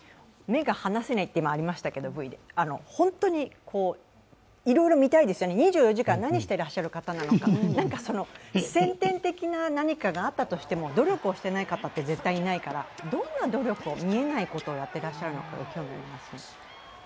目が離せないと今Ｖでありましたけど本当にいろいろ見たいですよね、２４時間、何してらっしゃる方なのか先天的な何かがあったとしても努力をしていない方って絶対いないから、どんな努力を、見えないことをやっていらっしゃるか興味がありますね。